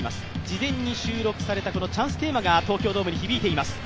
事前に収録されたチャンステーマが東京ドームに響いています。